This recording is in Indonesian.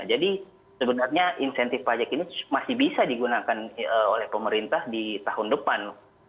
jadi sebenarnya insentif pajak ini masih bisa digunakan oleh pemerintah di tahun depan